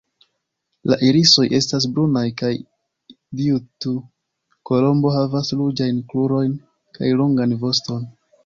La irisoj estas brunaj kaj dtiu kolombo havas ruĝajn krurojn kaj longan voston.